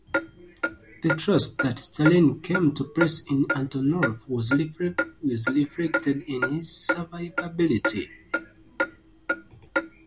The trust that Stalin came to place in Antonov was reflected in his survivability.